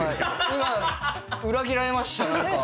今裏切られました何か。